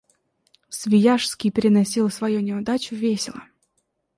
Свияжский переносил свою неудачу весело.